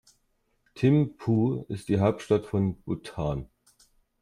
Thimphu ist die Hauptstadt von Bhutan.